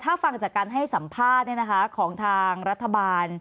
ถ้าฟังจากการให้สัมภาษณ์เนี่ยนะคะของทางรัฐบาล